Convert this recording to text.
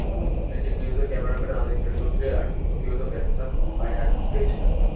ATN নিউজের cameraman Alim মেরুদণ্ডে আর প্রতিবেদক এহসান পায়ে আঘাত পেয়েছেন।